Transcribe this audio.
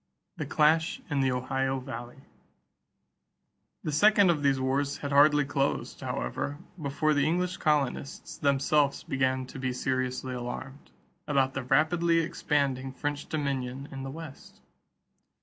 =The Clash in the Ohio Valley.= The second of these wars had hardly closed, however, before the English colonists themselves began to be seriously alarmed about the rapidly expanding French dominion in the West.